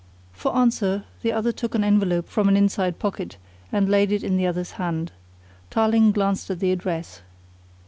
For answer the other took an envelope from an inside pocket and laid it in the other's hand. Tarling glanced at the address.